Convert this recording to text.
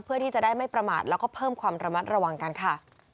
เพื่อที่จะได้ไม่ประมาทแล้วก็เพิ่มความระมัดระวังกันค่ะ